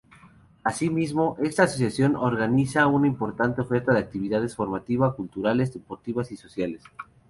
Asimismo, esta Asociación organiza una importante oferta de actividades formativa, culturales, deportivas y sociales.